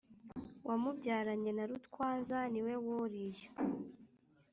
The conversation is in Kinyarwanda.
wamubyaranye na rutwaza niwe wuriya